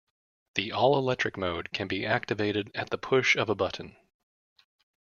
The all-electric mode can be activated at the push of a button.